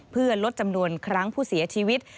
เพื่อลดจำนวนครั้งผู้เสียชีวิต